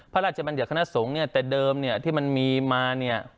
บรรยัติคณะสงฆ์เนี่ยแต่เดิมเนี่ยที่มันมีมาเนี่ย